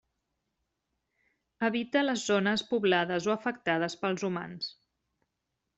Evita les zones poblades o afectades pels humans.